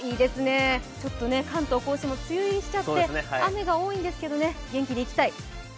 ちょっと関東甲信も梅雨入りしちゃって雨が多いんですけどもね元気でいきたい。